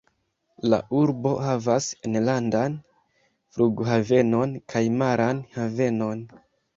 La urbo havas enlandan flughavenon kaj maran havenon.